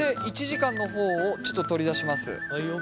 １時間の方をちょっと取り出します。